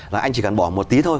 là anh chỉ cần bỏ một tí thôi